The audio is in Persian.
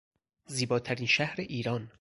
زیباترین شهر ایران